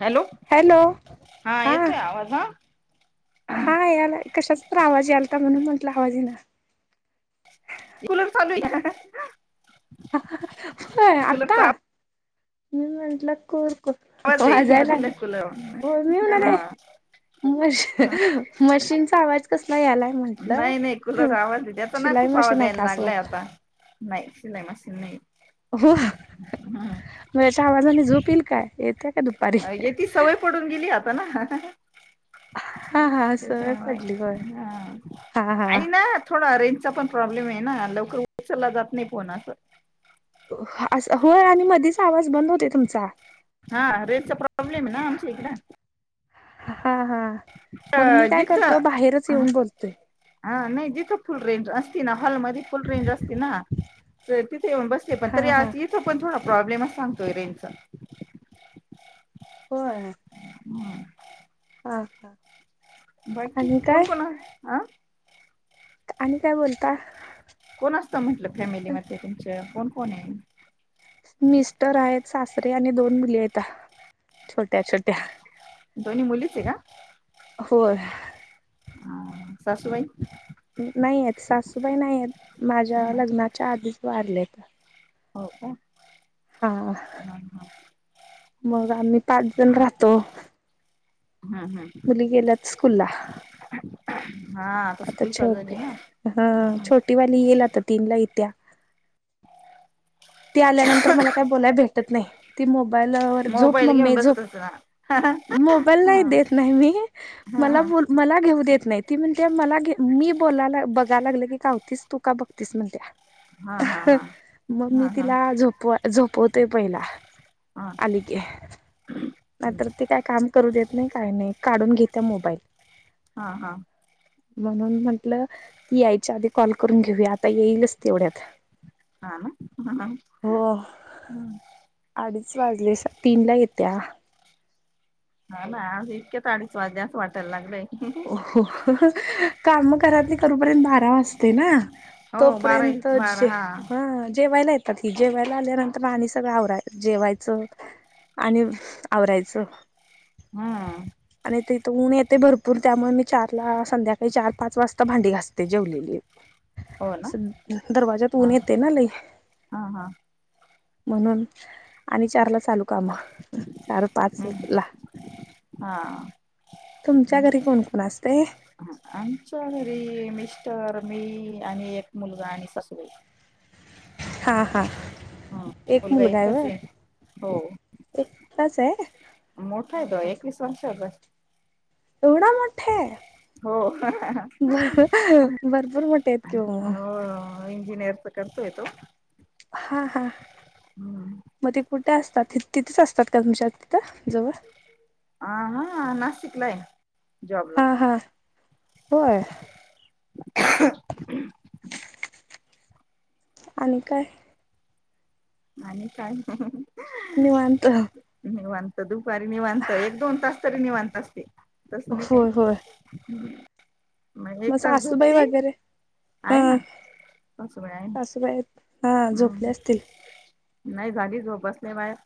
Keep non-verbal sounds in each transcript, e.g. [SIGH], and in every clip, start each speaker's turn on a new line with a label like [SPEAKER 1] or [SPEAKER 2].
[SPEAKER 1] Hello.
[SPEAKER 2] Hello हा.
[SPEAKER 1] येतोय आवाज हा
[SPEAKER 2] हा याला कशाच तर आवाज यालता म्हणून म्हटलं आवाज येईना.
[SPEAKER 1] कुलर चालूये [UNINTELLIGIBLE]
[SPEAKER 2] होय आता मी म्हंटलं को
[SPEAKER 1] आवाज
[SPEAKER 2] हो
[SPEAKER 1] आहे
[SPEAKER 2] वाजाय
[SPEAKER 1] मधील
[SPEAKER 2] लागलाय
[SPEAKER 1] कूलर
[SPEAKER 2] हो मी
[SPEAKER 1] हा
[SPEAKER 2] म्हणालोय [UNINTELLIGIBLE] मशीनचा आवाज कसला यालाय म्हंटलं.
[SPEAKER 1] नाही नाही कुलरचा आवाज याचा ना
[SPEAKER 2] शिलाई
[SPEAKER 1] खूप
[SPEAKER 2] मशीन
[SPEAKER 1] आवाज
[SPEAKER 2] आहे
[SPEAKER 1] यायला
[SPEAKER 2] का असं
[SPEAKER 1] लागलाय
[SPEAKER 2] वाटलं
[SPEAKER 1] आता. नाही शिलाई मशीन नाही.
[SPEAKER 2] हो
[SPEAKER 1] हम्म
[SPEAKER 2] म याच्या आवाजाने झोप येईल काय येत्या का दुपारी?
[SPEAKER 1] ती सवय पडून गेली आता ना, हा हा!
[SPEAKER 2] हा हा सवय पडली हो!
[SPEAKER 1] हा, आई न. थोडा रेंजचा पण प्रॉब्लेम हाय ना लवकर उचलला जात नाही फोनाच
[SPEAKER 2] हो, अस होय आणि मधीच आवाज बंद होतोय तुमचा.
[SPEAKER 1] हा रेंजचा प्रॉब्लेम आहे ना आमच्या इकडं.
[SPEAKER 2] हा हा मग मी
[SPEAKER 1] इकडं
[SPEAKER 2] काय
[SPEAKER 1] जिथं
[SPEAKER 2] करतोय बाहेरच येऊन बोलतोय
[SPEAKER 1] हा नाही जिथं फुल रेंज असती ना हॉल मध्ये फुल रेंज असती ना तर तिथे येऊन बसते पण तरी
[SPEAKER 2] हा हा
[SPEAKER 1] आत इथ इथं पण थोडा प्रॉब्लेम सांगतोय रेंजचा.
[SPEAKER 2] होय!
[SPEAKER 1] हम्म!
[SPEAKER 2] हां हा!
[SPEAKER 1] बाकी
[SPEAKER 2] आणि काय
[SPEAKER 1] कोण कोणा आ
[SPEAKER 2] आणि काय बोलता.
[SPEAKER 1] कोण असतं म्हटलं फॅमिलीमध्ये तुमच कोण कोण आहे?
[SPEAKER 2] मिस्टर आहेत सासरे आणि दोन मुली आहेता. छोट्या छोट्या
[SPEAKER 1] दोन्ही मुलीच आहे का?
[SPEAKER 2] होय.
[SPEAKER 1] आ सासूबाई?
[SPEAKER 2] नाही आहेत सासूबाई नाही आहेत माझ्या लग्नाच्या आधीच वाारलेत.
[SPEAKER 1] हो का?
[SPEAKER 2] हा
[SPEAKER 1] हम्म
[SPEAKER 2] मग आम्ही पाच जण राहतो.
[SPEAKER 1] हा हा!
[SPEAKER 2] मुली गेल्यात स्कूलला
[SPEAKER 1] हा!
[SPEAKER 2] आता
[SPEAKER 1] स्कूल चालू
[SPEAKER 2] छोटे
[SPEAKER 1] झाली ना.
[SPEAKER 2] हा छोटी वाली येईल आता तीनला इत्या
[SPEAKER 1] [UNINTELLIGIBLE]
[SPEAKER 2] ती आल्यानंतर मला काय बोलायला भेटत नाही ती मोबाईलवर झोप
[SPEAKER 1] मोबाईल घेऊन
[SPEAKER 2] मम्मी
[SPEAKER 1] बसत
[SPEAKER 2] झोप
[SPEAKER 1] असेल हा.
[SPEAKER 2] मोबाईल नाही देत नाही मी
[SPEAKER 1] हा
[SPEAKER 2] मला
[SPEAKER 1] हा!
[SPEAKER 2] बोल मला घेऊ देत नाही ती म्हणत्या मला घे मी बोलायला बघायला लागलं की कावतीस तू का बघतीस म्हणत्या.
[SPEAKER 1] हा हा
[SPEAKER 2] मग मी
[SPEAKER 1] हा हा! हा
[SPEAKER 2] तिला झोप झोपवतोय पहिला आली की
[SPEAKER 1] हम्म!
[SPEAKER 2] नाहीतर ती काय काम करू देत नाही काय नाही काढून घेत्या मोबाईल
[SPEAKER 1] हा.
[SPEAKER 2] म्हणून म्हंटल ती याय च्या आधी कॉल करून घेऊया आता येईलच तेवढ्यात
[SPEAKER 1] हम्म हम्म!
[SPEAKER 2] हो अडीच वाजले तीनला येत्या.
[SPEAKER 1] हा ना आज इतक्यात अडीच वाजले असे वाटाय लागलंय
[SPEAKER 2] हो हो हो काम घरातली करूपर्यंत बारा वाजते ना तो
[SPEAKER 1] हो बारा
[SPEAKER 2] पर्यंत
[SPEAKER 1] एक बारा
[SPEAKER 2] जे हा जेवायला येत आ हि जेवायला आल्यानंतर आणी सगळं आवराय जेवायचं आणि व आवरायचं
[SPEAKER 1] हम्म
[SPEAKER 2] आणि इत इत उन येतय भरपूर त्यामुळ मी चारला संध्याकाळी चार पाच वासता भांडी घासतेो ते जेवलेले
[SPEAKER 1] हो ना
[SPEAKER 2] असं दरवाजा
[SPEAKER 1] हा
[SPEAKER 2] पऊून येतेना लई
[SPEAKER 1] हा हा
[SPEAKER 2] म्हणून आणि चार ला चालू काम चार पाच ला
[SPEAKER 1] हा
[SPEAKER 2] तुमच्या घरी कोणकोण असतय
[SPEAKER 1] आमच्या घरी मिस्टर मी आणि एक मुलगा आणि सासुबई.
[SPEAKER 2] हां हां
[SPEAKER 1] ह
[SPEAKER 2] एक मुलगा हाय
[SPEAKER 1] एकच
[SPEAKER 2] व्हय
[SPEAKER 1] आहे
[SPEAKER 2] एकटाच हाय.
[SPEAKER 1] मोठाय तो एकवीस वर्षाचाये.
[SPEAKER 2] एवडा मोठाये भर भरपूर मोठा
[SPEAKER 1] हो इंजिनिअर च करतोय तो.
[SPEAKER 2] हा हा
[SPEAKER 1] ह
[SPEAKER 2] म ते कुट असतात तितच असतात का तुमच्या तित जवळ.
[SPEAKER 1] ह हा ना नासिकला ये.
[SPEAKER 2] हा हा होय आणि काय?
[SPEAKER 1] आणि काय नाई
[SPEAKER 2] निवांत
[SPEAKER 1] निवांत दुपारी निवांत एक दोन तास तरी निवांत असतय तसं नइ काई
[SPEAKER 2] होय होय
[SPEAKER 1] हम् म
[SPEAKER 2] मग
[SPEAKER 1] एक तास
[SPEAKER 2] सासूबाई
[SPEAKER 1] झोपती
[SPEAKER 2] वगैरे
[SPEAKER 1] आए ना सासुबाई आएना.
[SPEAKER 2] सासुबाई
[SPEAKER 1] हम्म नाई झाली झोप बसले बाहेर.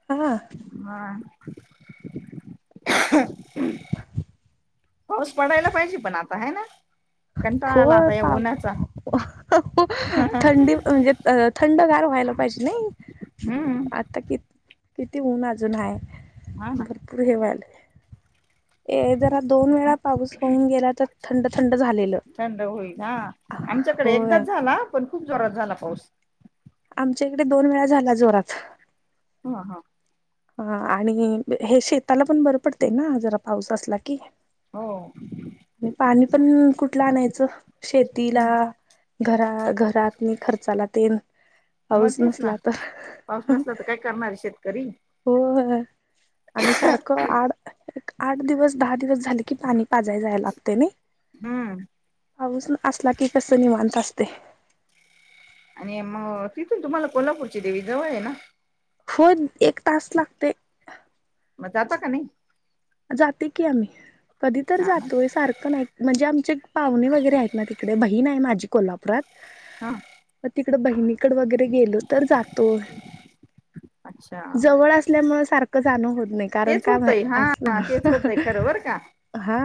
[SPEAKER 2] [UNINTELLIGIBLE]
[SPEAKER 1] हा पाऊस पडायला पाइजे पण आता हाय ना कंटाळ आला
[SPEAKER 2] होय
[SPEAKER 1] आता या
[SPEAKER 2] पाव
[SPEAKER 1] उन्हाचा.
[SPEAKER 2] थंडी म्हणजे उ थंड गार व्हायला पाइजे नाई
[SPEAKER 1] हम्म
[SPEAKER 2] आता कि किती ऊन अजून हाय
[SPEAKER 1] हा ना
[SPEAKER 2] भरपूर हे व्हायलय. ए जरा दोन वेळा पाऊस होऊन गेला तर थंड थंड झालेलं.
[SPEAKER 1] थंड होईल हा आमच्याकडे
[SPEAKER 2] होय
[SPEAKER 1] एकदाच झाला पण खूप जोरात झाला पाऊस.
[SPEAKER 2] आमच्या इकडे दोन वेळा झाला जोरात.
[SPEAKER 1] हा हा
[SPEAKER 2] ह आणिह हे शेताला पण बरं पडतय ना जरा पाऊस असला की.
[SPEAKER 1] हो
[SPEAKER 2] आणि पाणी पण कुटलं आणायचं शेतीला घरा घरात नि खर्चाला तेन.
[SPEAKER 1] म
[SPEAKER 2] पाऊस
[SPEAKER 1] तेच ना
[SPEAKER 2] नसला
[SPEAKER 1] पाऊस
[SPEAKER 2] तर
[SPEAKER 1] नसला तर काय करणारये शेतकरी.
[SPEAKER 2] होय आणि सारक आड एक आठ दिवस दहा दिवस झाल की पाणी पाजय जायला लागतय नई.
[SPEAKER 1] हम्म
[SPEAKER 2] पाऊस असला की कसं निवांत असतय.
[SPEAKER 1] आणि म तिथून तुम्हाला कोल्हापूरची देवी जवळ आहे ना?
[SPEAKER 2] होन एक तास लागतय.
[SPEAKER 1] म जाता का नाही?
[SPEAKER 2] जाते की आम्ही, कधी तर
[SPEAKER 1] हा ना
[SPEAKER 2] जातोय सार कानाय म्हणजे आमचे पाहुणे वगैरे आहेत ना तिकडे बहीण आहे माझी कोल्हापुरात.
[SPEAKER 1] हा.
[SPEAKER 2] त तिकड बहिणीकड वगैरे गेलो तर जातोय.
[SPEAKER 1] अच्छा
[SPEAKER 2] जवळ असल्यामुळे सारखं जाणं होत नाही कारण
[SPEAKER 1] तेच
[SPEAKER 2] का मा
[SPEAKER 1] होतय
[SPEAKER 2] अस.
[SPEAKER 1] हा तेच होतय खरं बर का
[SPEAKER 2] हा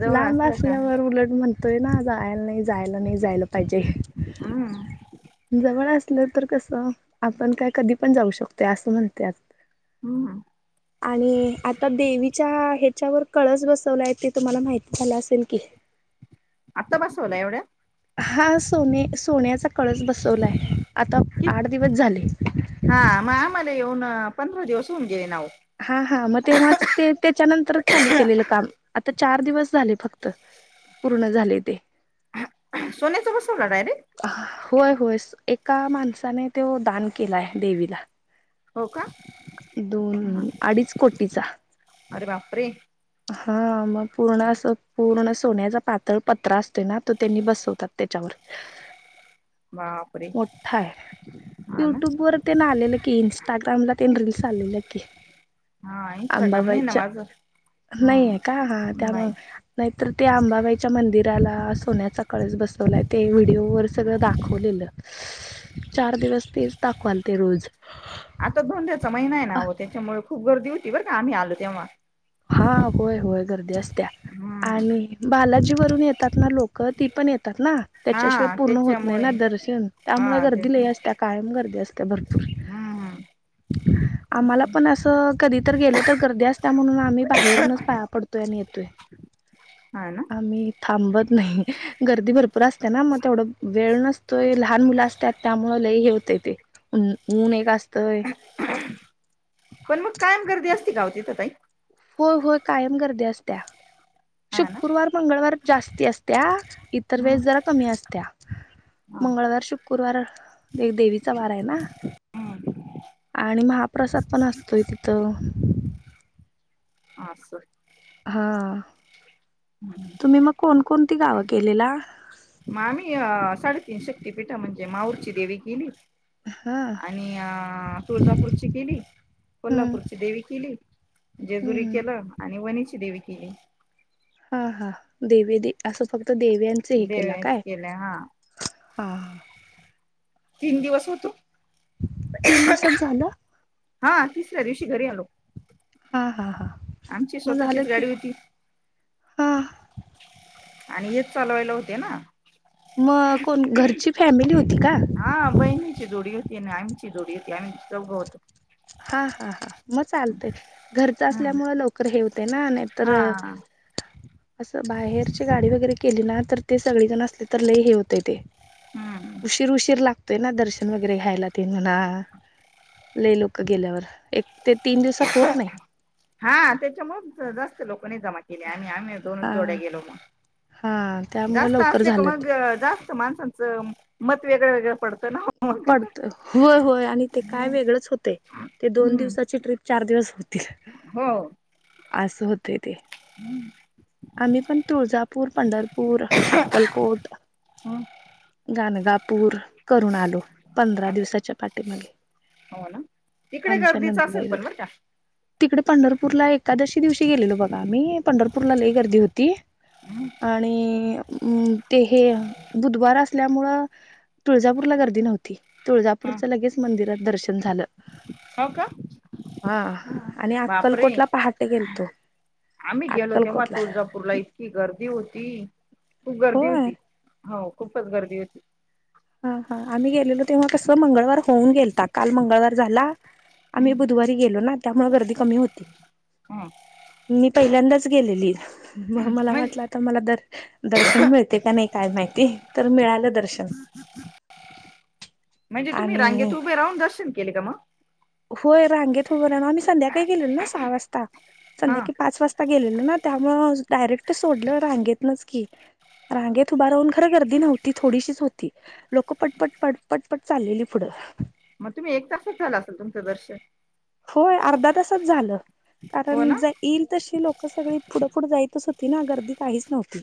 [SPEAKER 1] जवळ
[SPEAKER 2] लांब
[SPEAKER 1] असलं का
[SPEAKER 2] असल्यावर उलट म्हणतोय ना जायला नाही जायला नाही जायला पाहिजे.
[SPEAKER 1] हम्म
[SPEAKER 2] जवळ असलं तर कसं, आपण काय कधी पण जाऊ शकतोय असं म्हणत्यात.
[SPEAKER 1] हम्म.
[SPEAKER 2] आणि आता देवी च्या ह्याच्यावर कळस बसवलाय ते तुम्हाला माहित झालं असेल की?
[SPEAKER 1] आत्ता बसवला एवढ
[SPEAKER 2] हा सोने सोन्याचा कळस बसवलाय आता
[SPEAKER 1] कि
[SPEAKER 2] आठ दिवस झाले.
[SPEAKER 1] हा म आम्हाला येऊन पंधरा दिवस होऊन गेले ना ओ.
[SPEAKER 2] हा हा म तेव्हाच ते त्याच्यानंतरच चालू केलेलं काम, आता चार दिवस झाले फक्त. पूर्ण झालय ते.
[SPEAKER 1] सोन्याचा बसवला डायरेक्ट?
[SPEAKER 2] होय होय, एका माणसाने तो दान केलाय देवीला.
[SPEAKER 1] हो का, हा,
[SPEAKER 2] दोन अडीच कोटीच
[SPEAKER 1] अरे बापरे.
[SPEAKER 2] हा म पूर्ण असं पूर्ण सोन्याचा पा पत्रा असतोय ना तो त्यांनी बसवतात त्याच्यावर.
[SPEAKER 1] वा.
[SPEAKER 2] मोठा हाय. युट्यूब वर तेन आलेलं की इंस्टाग्राम ला तेन रीलस आलेल्या की?
[SPEAKER 1] हा इंस्टाग्राम नाही ना
[SPEAKER 2] अंबाबाईच्या,
[SPEAKER 1] माझं हम्म
[SPEAKER 2] नाहीये का हा त्यामुळ
[SPEAKER 1] नाही
[SPEAKER 2] नाही तर ते आंबाबाईच्या मंदिराला सोन्याचा कळस बस तोलाय ते व्हिडिओ वर सगळ दाखवलेलं, चार दिवस तेच दाखवालते रोज.
[SPEAKER 1] आता धोड्याचा महिना आहे ना ओ त्याच्यामुळे खूप गर्दी होती बरं का आम्ही आलो तेव्हा.
[SPEAKER 2] हा होय होय गर्दी असत्या,
[SPEAKER 1] हम्म
[SPEAKER 2] आणि बालाजीवररून येतात ना लो क ती पण येतात ना त्याच्याशिवाय
[SPEAKER 1] हा
[SPEAKER 2] पूर्ण होत नाही
[SPEAKER 1] त्याच्यामुळे
[SPEAKER 2] ना दर्शन
[SPEAKER 1] हा
[SPEAKER 2] त्यामुळे
[SPEAKER 1] ते
[SPEAKER 2] गर्दी लई असत्या. कायम गर्दी असत्या भरपूर.
[SPEAKER 1] हम्म
[SPEAKER 2] आम्हाला पण असं कधी तर गेलो तर गर्दी असता म्हणून मी बाहेरूनच पया पडतोय आणि येतोय.
[SPEAKER 1] हा न.
[SPEAKER 2] आम्ही थांबत नाही गर्दी भरपूर असत्या ना म तेवढं वेळ नसतोय लहान मुलं असत्यात. त्यामुळ लय हे होतय ते, अन ऊन एक असतंय.
[SPEAKER 1] पण मग कायम गर्दी असती का ओ तिथं ताई?
[SPEAKER 2] होय होय कायम गर्दी असत्या,
[SPEAKER 1] हा ना
[SPEAKER 2] शुक्रवार, मंगळवार जास्ती असत्या. इतर
[SPEAKER 1] हम्म
[SPEAKER 2] वेळेस जरा कमी असत्या,
[SPEAKER 1] हा
[SPEAKER 2] मंगळवार, शुक कुरवार, ती देवीचा वारा आहे ना?
[SPEAKER 1] हम्म
[SPEAKER 2] आणि महाप्रसाद पण असतोय तिथं.
[SPEAKER 1] आसं
[SPEAKER 2] हा, तुम्ही मग कोणकोणती गावं केलेला.
[SPEAKER 1] मामी अ..., साडेतीन शक्तीपीठं म्हणजे माऊरची देवी केली.
[SPEAKER 2] हा,
[SPEAKER 1] आणि अ.., तुळजापूरची केली.
[SPEAKER 2] हम्म
[SPEAKER 1] कोल्हापूरची देवी केली. जेजुरी
[SPEAKER 2] हम्म
[SPEAKER 1] केलं. आणि वणीची देवी केली.
[SPEAKER 2] हा हा, देवी दे असं फक्त देवी आणि
[SPEAKER 1] देव्याच केल्या. हा,
[SPEAKER 2] हा हा
[SPEAKER 1] तीन दिवस होतो.
[SPEAKER 2] तीन दिवसात झालं.
[SPEAKER 1] हा, तिसऱ्या दिवशी घरी आलो.
[SPEAKER 2] हा हा हा,
[SPEAKER 1] आमची
[SPEAKER 2] मग झालं
[SPEAKER 1] स्वतःचीच
[SPEAKER 2] की
[SPEAKER 1] गाडी होती.
[SPEAKER 2] हा
[SPEAKER 1] आणि हेच चालवायला होते ना,
[SPEAKER 2] मग कोण घरची फॅमिली होती का?
[SPEAKER 1] हा, बहिणीची जोडी होती आणि आमची जोडी होती. आम्ही चौघं होतो.
[SPEAKER 2] हा हा हा, मग चालतेय. घरचं
[SPEAKER 1] हम्म
[SPEAKER 2] असल्यामुळ लवकर हे होते ना, नाही तर
[SPEAKER 1] हा
[SPEAKER 2] असं बाहेरची गाडी वगैरे केली ना, तर ते सगळेजण असले तर लय हे होतय ते.
[SPEAKER 1] हम्म
[SPEAKER 2] उशीर उशीर लागतोय ना, दर्शन वगैरे घ्यायला ते म्हणा. लय लोक गेल्यावर, एक ते तीन दिवसात होत नाही.
[SPEAKER 1] हा त्याच्यामुळ जास्त लोक नाही जमा केले. आम्ही आम्ही दोनच
[SPEAKER 2] हा
[SPEAKER 1] जोड्या गेलो मग.
[SPEAKER 2] हा त्यामुळे
[SPEAKER 1] जास्त
[SPEAKER 2] लवकर
[SPEAKER 1] असले का
[SPEAKER 2] झालं
[SPEAKER 1] मग
[SPEAKER 2] ते
[SPEAKER 1] जास्त माणसांचं मत वेगळं वेगळं पडतंनव.
[SPEAKER 2] पडतं. होय होय आणि ते काय वेगळंच होते. ते दोन
[SPEAKER 1] हम्म
[SPEAKER 2] दिवसाची ट्रीप चार दिवस तील
[SPEAKER 1] हो
[SPEAKER 2] असं होतय ते.
[SPEAKER 1] [INAUDIBLE]
[SPEAKER 2] आम्ही पण तुळजापूर, पंढरपूर, अक्कलकोट
[SPEAKER 1] हा,
[SPEAKER 2] गाणगापूर करून आलो. पंधरा
[SPEAKER 1] असं
[SPEAKER 2] दिवसाच्या पाठीमागे
[SPEAKER 1] हो ना तिकडे
[SPEAKER 2] आमच्या
[SPEAKER 1] गर्दीच असेल
[SPEAKER 2] नंदुबाई
[SPEAKER 1] पण बरं
[SPEAKER 2] वगैरे
[SPEAKER 1] का
[SPEAKER 2] तिकडे पंढरपूरला एकादशी दिवशी गेलेलो बघा आम्ही, पंढरपूरला लय गर्दी होती.
[SPEAKER 1] हं,
[SPEAKER 2] आणि ते हे बुधवार अस ल्यामुळ तुळजापूरला गर्दी नव्हती.
[SPEAKER 1] हं.
[SPEAKER 2] तुळजापूरचं लगेच मंदिरात दर्शन झालं.
[SPEAKER 1] हो का.
[SPEAKER 2] हा, आणि
[SPEAKER 1] बापरे
[SPEAKER 2] अक्कलकोटला पहाटे गेलतो.
[SPEAKER 1] आम्ही गेलो तेव्हा
[SPEAKER 2] अक्कलकोटला
[SPEAKER 1] तुळजापूरला इतकी गर्दी होती. खूप गर्दी
[SPEAKER 2] होय
[SPEAKER 1] होती. हो. खूपच गर्दी होती.
[SPEAKER 2] हा हा, आम्ही गेलेलो तेव्हा कस मंगळवार होऊन गेलता. काल मंगळवार झाला.
[SPEAKER 1] हं,
[SPEAKER 2] आम्ही बुधवारी गेलो ना, त्यामुळ गर्दी कमी होती.
[SPEAKER 1] हा,
[SPEAKER 2] मी पहिल्यांदाच गेलेली. मला
[SPEAKER 1] म्हणजे
[SPEAKER 2] वाटलं आता मला द दर्शन मिळते का नाही. काय माहिती? तर मिळालं दर्शन.
[SPEAKER 1] [INAUDIBLE] म्हणजे तुम्ही
[SPEAKER 2] आणि
[SPEAKER 1] रांगेत उभे राहून दर्शन केले का मग.
[SPEAKER 2] होय. रांगेत उभं राहून आम्ही संध्याकाळी गेलेलो ना, सहा वाजता
[SPEAKER 1] हा
[SPEAKER 2] संध्याकाळी पाच वाजता आता गेलेलं ना त्यामुळे डायरेक्ट सोडलं रांगेतनच की रांगेत उभा राहून खरं गर्दी नव्हती थोडीशीच होती. लोक पटपट पट पटपट चाललेली पुढं
[SPEAKER 1] मग तुम्ही एक तासच झालं असेल तुमचं दर्शन
[SPEAKER 2] होय अर्धा तासच झालं
[SPEAKER 1] हो
[SPEAKER 2] कारण
[SPEAKER 1] ना
[SPEAKER 2] ज येईल तशी लोक सगळी पुढंफुड जायतच होती ना गर्दी काहीच नव्हती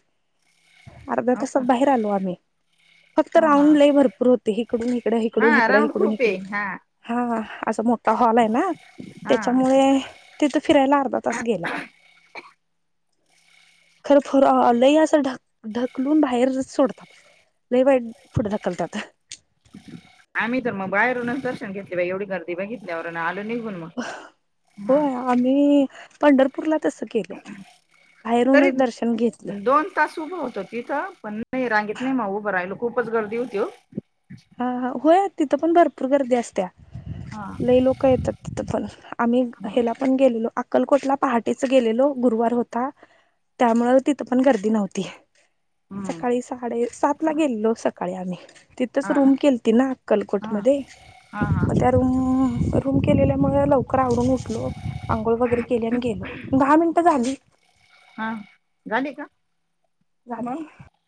[SPEAKER 2] अर्ध्या
[SPEAKER 1] हो
[SPEAKER 2] तासात
[SPEAKER 1] का
[SPEAKER 2] बाहेर आलो आम्ही फक्त
[SPEAKER 1] हा
[SPEAKER 2] राऊंडलाई भरपूर होते इकडून इिकड्या हिकडून
[SPEAKER 1] हा
[SPEAKER 2] हिकडा ह
[SPEAKER 1] राऊंड
[SPEAKER 2] इिकडून
[SPEAKER 1] खूप
[SPEAKER 2] इकडून
[SPEAKER 1] आहे हा
[SPEAKER 2] हा असा मोठा हॉल आहे ना.
[SPEAKER 1] हा
[SPEAKER 2] त्याच्यामुळे तिथं फिरायला अर्धा तास गेला. खरं खर लई असं ढक ढकलून बाहेर सोडतात. लई वाईट फुढं ढकलतात.
[SPEAKER 1] आम्ही तर मग बाहेरूनच दर्शन घेतले बाई एवढी गर्दी बघितल्यावर ना आलो निघून मग हा
[SPEAKER 2] होय आम्ही पंढरपूरला तसं केलं बाहेरूनच दर्शन घेतलं
[SPEAKER 1] एक तास उभं होत तिथं पण नाही रांगेत नाही मग उभं राहिलं खूपच गर्दी होती ओ
[SPEAKER 2] हा हा होय तिथं पण भरपूर गर्दी असत्या
[SPEAKER 1] हा
[SPEAKER 2] लुई लोक येतात पण आम्ही हेला आपण गेलेलो अक्कलकोटला पहाटेच गेलेलो गुरुवार होता. त्यामुळ तिथं पण गर्दी नव्हती
[SPEAKER 1] हम्म
[SPEAKER 2] सकाळी साडे सात ला गेलो सकाळी आम्ही तिथ तस
[SPEAKER 1] हा ना
[SPEAKER 2] रूम केलती ना
[SPEAKER 1] हा
[SPEAKER 2] अक्कलकोटमध्ये
[SPEAKER 1] हा हा
[SPEAKER 2] म त्या रूम रूम केलेल्यामुळे लवकर आवरुन उठलो आंघोळ वगैरे केले आणि गेलो. दहा मिनटं झाली.
[SPEAKER 1] हा झाली का?
[SPEAKER 2] झाली.
[SPEAKER 1] मग